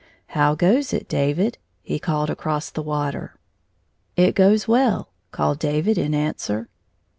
"How goes it, David?" he called across the water. " It goes well," called David in answer.